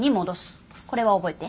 これは覚えて。